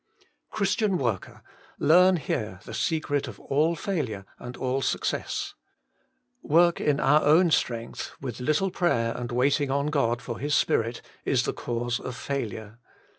Christian worker, learn here the secret of all failure and all success. Work in our own strength, with little prayer and waiting on God for His spirit, is the cause of fail ure.